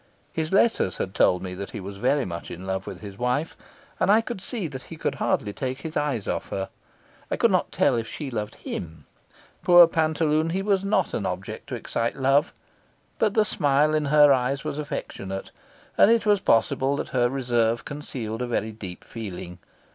His letters had told me that he was very much in love with his wife, and I saw that he could hardly take his eyes off her. I could not tell if she loved him. Poor pantaloon, he was not an object to excite love, but the smile in her eyes was affectionate, and it was possible that her reserve concealed a very deep feeling.